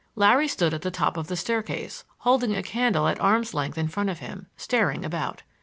Larry stood at the top of the staircase, holding a candle at arm's length in front of him, staring about.